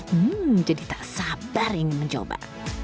hmm jadi tak sabar ingin mencoba